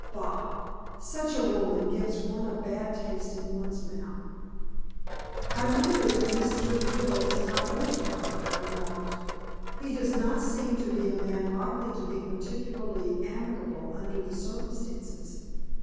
Bah! such a woman gives one a bad taste in one's mouth." "I wonder that Mr. Deville is not rude to her," I remarked. "He does not seem to be a man likely to be particularly amiable under the circumstances.